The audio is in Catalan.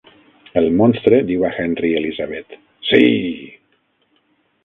El Monstre diu a Henry i Elizabeth: Sí!